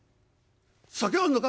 「酒あんのか？」。